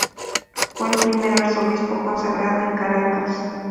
Fue el primer arzobispo consagrado en Caracas.